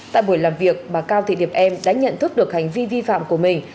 tại buổi làm việc bà cao thị điệp em đã nhận thức được hành vi vi phạm của mình